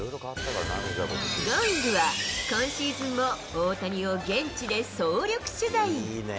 Ｇｏｉｎｇ！は、今シーズンも大谷を現地で総力取材。